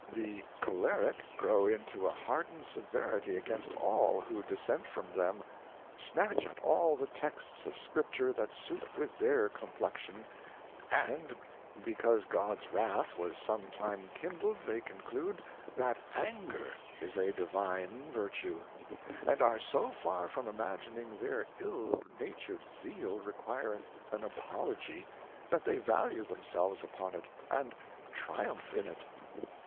The Cholerick grow into a hardned Severity against all who dissent from them ; snatch at all the Texts of Scripture that suit with their Complexion ; and because God's Wrath was some time kindled, they conclude. That Anger is a Divine Vertue ; and are so far from imagining their ill natur'd Zeal requireth an Apology, that they value themselves upon it, and triumph in it.